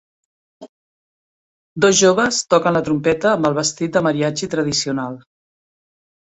Dos joves toquen la trompeta amb el vestit de mariachi tradicional.